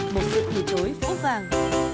một lực thủy chối phổ phàng